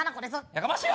やかましい